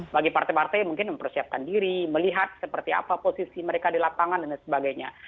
bagi partai partai mungkin mempersiapkan diri melihat seperti apa posisi mereka di lapangan dan sebagainya